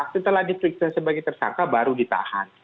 setelah diperiksa sebagai tersangka baru ditahan